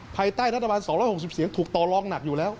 ภายใต้รัฐบาล๒๖๐เสียงถูกต่อรองหนักอยู่แล้ว